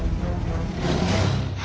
あ？